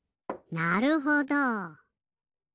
なるほど。